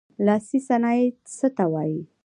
لاسي صنایع څه ته وايي.